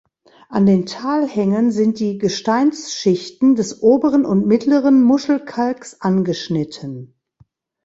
An den Talhängen sind die Gesteinsschichten des Oberen und Mittleren Muschelkalks angeschnitten.